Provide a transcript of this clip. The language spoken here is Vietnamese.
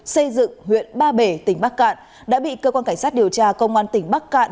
xây dựng huyện ba bể tỉnh bắc cạn đã bị cơ quan cảnh sát điều tra công an tỉnh bắc cạn